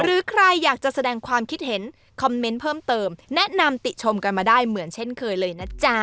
หรือใครอยากจะแสดงความคิดเห็นคอมเมนต์เพิ่มเติมแนะนำติชมกันมาได้เหมือนเช่นเคยเลยนะจ๊ะ